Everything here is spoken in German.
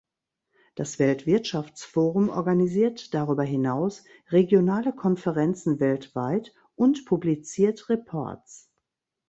Das Weltwirtschaftsforum organisiert darüber hinaus regionale Konferenzen weltweit und publiziert Reports.